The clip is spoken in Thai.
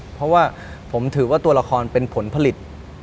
เพราะว่าผมถือว่าตัวละครเป็นผลผลิต